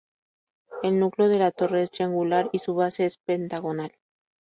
El núcleo de la torre es triangular, y su base es pentagonal.